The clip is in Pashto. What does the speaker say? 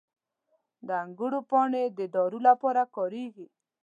• د انګورو پاڼې د دارو لپاره کارېږي.